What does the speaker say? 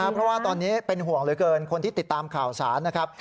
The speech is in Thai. เพราะว่าตอนนี้เป็นห่วงเหลือเกินคนที่ติดตามข่าวสารนะครับ